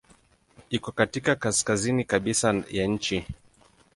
Iko katika kaskazini kabisa ya nchi.